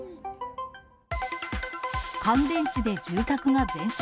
乾電池で住宅が全焼。